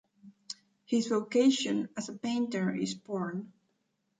His vocation as a painter is born.